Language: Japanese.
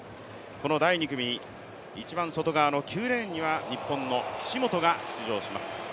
この第２組、一番外側の９レーンには日本の岸本が出場します。